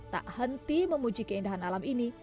tak henti memuji keindahan alam ini